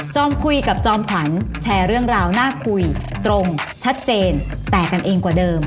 คุยกับจอมขวัญแชร์เรื่องราวน่าคุยตรงชัดเจนแตกกันเองกว่าเดิม